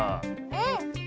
うん！